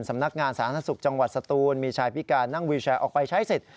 สำนักงานสาธารณสุขจังหวัดสตูนมีชายพิการนั่งวิวแชร์ออกไปใช้สิทธิ์